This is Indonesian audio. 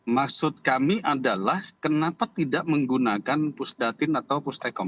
maksud kami adalah kenapa tidak menggunakan pusdatin atau pustekom